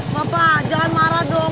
papa jangan marah dong